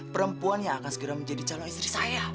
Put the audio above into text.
perempuan yang akan segera menjadi calon istri saya